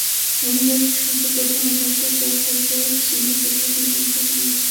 বাংলাদেশে শুধু প্রথমআলোকে দেওয়া প্রজেক্ট সিন্ডিকেটের নিবন্ধ নিয়ে চার দিনব্যাপী বিশেষ আয়োজন।